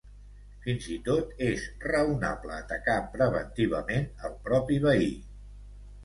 Fins i tot és raonable atacar preventivament el propi veí.